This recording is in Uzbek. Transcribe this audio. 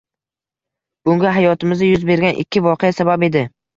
Bunga hayotimda yuz bergan ikki voqea sabab edi